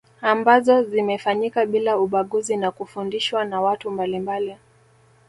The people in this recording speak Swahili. Ambazo zimefanyika bila ubaguzi na kufundishwa na watu mbalimbali